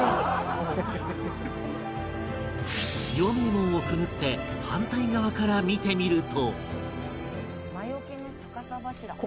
陽明門をくぐって反対側から見てみると